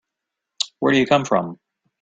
Where do you come from?